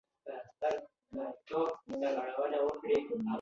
دوکاندار خپل سامانونه مرتب ساتي.